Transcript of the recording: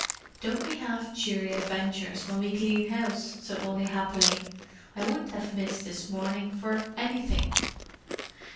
"Don't we have cheery adventures when we clean house!" said Wally happily. "I wouldn't have missed this morning for anything."